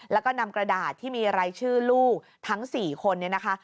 แล้วก็นำกระดาษที่มีรายชื่อลูกทั้ง๔คนเนี่ยนะคะ